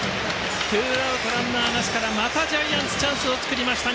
ツーアウト、ランナーなしからまたジャイアンツチャンスを作りました。